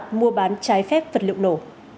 chiếm đoạt mua bán trái phép vật liệu nổ